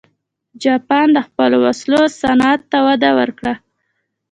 جاپان د خپلو وسلو صنعت ته وده ورکړه.